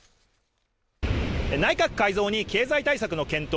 内閣改造に経済対策の検討